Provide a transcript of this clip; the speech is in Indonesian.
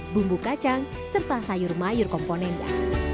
bumbu kacang serta sayur mayur komponennya